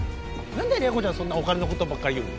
何で麗子ちゃんそんなお金のことばっか言うの？